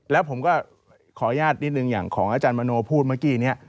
แล้วผมก็ขออนุญาตนิดนึงอย่างของอาจารย์มโนพูดเมื่อกี้นี้